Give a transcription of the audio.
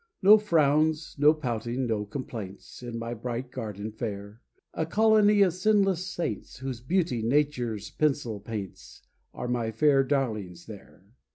No frowns, no pouting, no complaints, In my bright garden fair, A colony of sinless saints, Whose beauty Nature's pencil paints, Are my fair darlings there.